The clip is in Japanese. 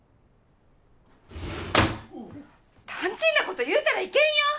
・たんちんなこと言うたらいけんよ！